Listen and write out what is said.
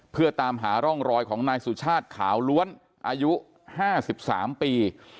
เพื่อตามหาร่องรอยของนายสุชาติขาวล้วนอายุ๕๓ปี